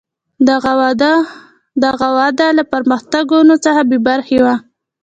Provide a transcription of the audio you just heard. دغه وده له پرمختګونو څخه بې برخې وه.